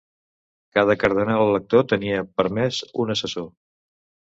Cada cardenal elector tenia permès un assessor.